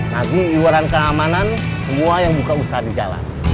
lagi iwaran keamanan semua yang buka usaha di jalan